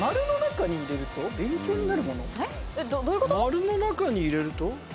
丸の中に入れると？